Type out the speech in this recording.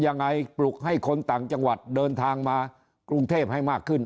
ยังไงปลุกให้คนต่างจังหวัดเดินทางมากรุงเทพให้มากขึ้น